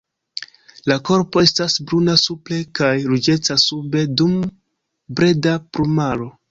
La korpo estas bruna supre kaj ruĝeca sube dum breda plumaro.